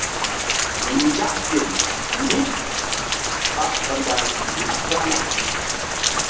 Nzak gel mí ɓa hɔndal laɓ mbana.